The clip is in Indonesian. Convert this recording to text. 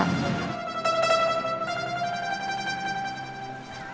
terus ketemu ami sama sinta